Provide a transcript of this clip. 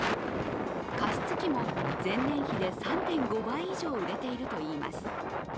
加湿器も前年比で３．５倍以上、売れているといいます。